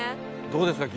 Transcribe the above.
どうですか？